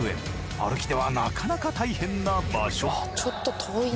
歩きではなかなか大変な場所。